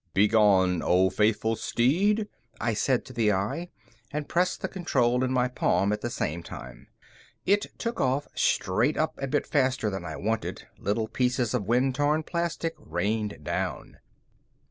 "Begone, O faithful steed," I said to the eye, and pressed the control in my palm at the same time. It took off straight up a bit faster than I wanted; little pieces of wind torn plastic rained down.